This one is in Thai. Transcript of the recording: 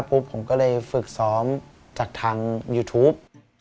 ผมก็เลยฝึกซ้อมจากทางยูทูป